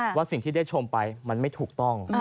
ว่าสิ่งที่ได้ชมไปมันไม่ถูกต้อง